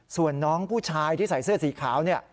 ส่วนน้องผู้ชายที่ใส่เสื้อสีขาวเนี่ย